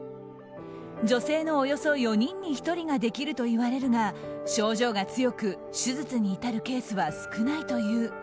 女性のおよそ４人に１人ができるといわれるが症状が強く手術に至るケースは少ないという。